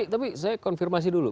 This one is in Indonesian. tapi saya konfirmasi dulu